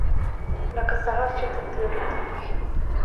لکه سحر چې تر تیارو تیریږې